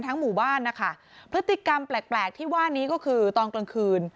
หมู่บ้านนะคะพฤติกรรมแปลกแปลกที่ว่านี้ก็คือตอนกลางคืน